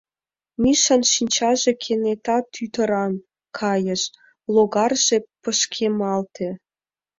Мишан шинчаже кенета тӱтыраҥ кайыш, логарже пышкемалте.